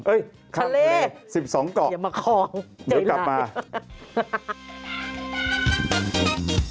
เอ๊ยข้ามเครือ๑๒กรอกเดี๋ยวมาคลองเดี๋ยวกลับมาฮ่า